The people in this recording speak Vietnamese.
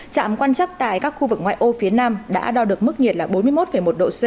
trạm quan chắc tại các khu vực ngoại ô phía nam đã đo được mức nhiệt là bốn mươi một một độ c